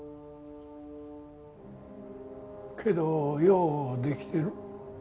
けどようできてる。